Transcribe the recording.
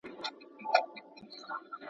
لمریز نظام مړ یا ساکت نه دی.